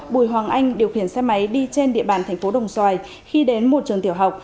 bùi hoàng anh điều khiển xe máy đi trên địa bàn thành phố đồng xoài khi đến một trường tiểu học